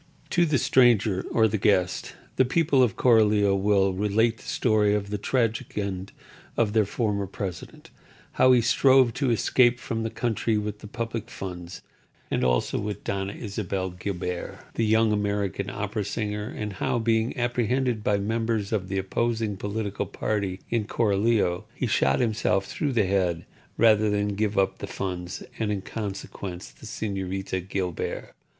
To the stranger or the guest the people of Coralio will relate the story of the tragic end of their former president; how he strove to escape from the country with the public funds and also with Doña Isabel Guilbert, the young American opera singer; and how, being apprehended by members of the opposing political party in Coralio, he shot himself through the head rather than give up the funds, and, in consequence, the Señorita Guilbert.